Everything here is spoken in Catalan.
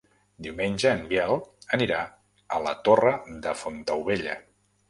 Diumenge en Biel anirà a la Torre de Fontaubella.